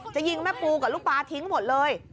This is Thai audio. จะยิงแม่ปูกับลูกปลาทิ้งหมดเลย